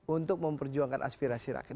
untuk memperjuangkan aspirasi rakyat